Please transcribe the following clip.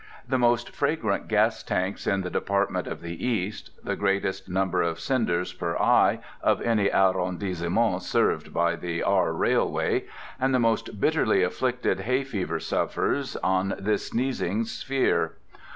the most fragrant gas tanks in the Department of the East, the greatest number of cinders per eye of any arondissement served by the R—— railway, and the most bitterly afflicted hay fever sufferer on this sneezing sphere.